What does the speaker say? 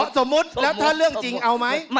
สมมุติแล้วถ้าเรื่องจริงเอาไหม